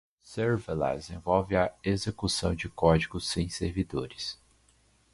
Serverless envolve a execução de código sem servidores.